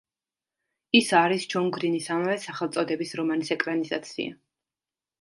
ის არის ჯონ გრინის ამავე სახელწოდების რომანის ეკრანიზაცია.